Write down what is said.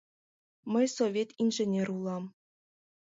Мый совет инженер улам...